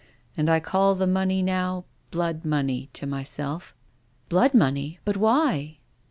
And I call the money now blood money to myself." " Blood money ! But why